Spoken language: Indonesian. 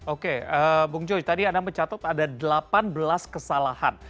oke bung joy tadi anda mencatat ada delapan belas kesalahan